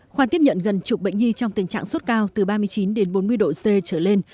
khoa tiếp nhận gần chục bệnh nhi trong tình trạng sốt cao từ ba mươi chín đến bốn mươi độ c trở lên